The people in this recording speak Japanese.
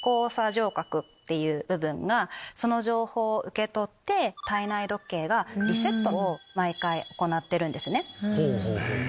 上核っていう部分がその情報を受け取って体内時計がリセットを毎回行ってるんですね。